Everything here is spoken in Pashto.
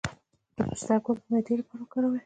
د پسته ګل د معدې لپاره وکاروئ